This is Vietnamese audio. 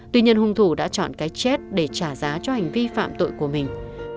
tuy nhiên hung thủ đã chọn cái chết để trả giá cho hành vi phạm tội của mình